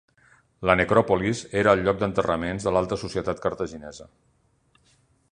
La necròpolis era el lloc d'enterraments de l'alta societat cartaginesa.